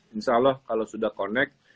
insya allah kalau sudah connect